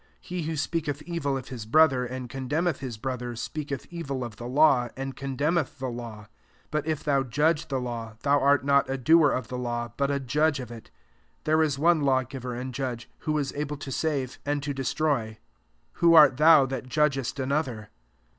He who speak eth evil of his brother, and con demneth his brother, speaketh evil of the law, and condemneth the law : but if thou judge tie law, thou art not a doer of the law, but a judge of it, 12 There is one law giver and judge, who is able to save and tp des JAMES V. sn troy. Who art thou ihat judg est another